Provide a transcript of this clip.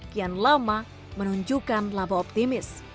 kian lama menunjukkan laba optimis